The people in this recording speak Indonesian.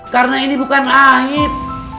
karena ini bukan ahit